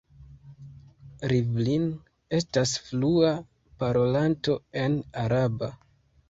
Rivlin estas flua parolanto en araba.